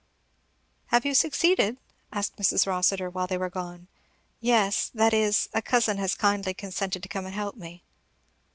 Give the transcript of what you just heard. "Have you succeeded!' asked Mrs. Rossitur while they were gone. "Yes that is, a cousin has kindly consented to come and help me."